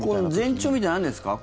前兆みたいなのあるんですか？